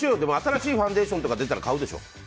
新しいファンデーションとか出たら買うでしょ？